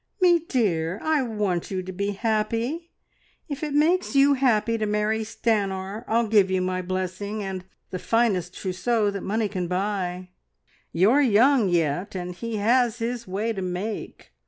"Me dear, I want you to be happy! If it makes you happy to marry Stanor, I'll give you my blessing, and the finest trousseau that money can buy. You're young yet, and he has his way to make.